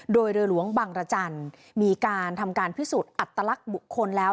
โดยเรือหลวงบังรจันทร์มีการทำการพิสูจน์อัตลักษณ์บุคคลแล้ว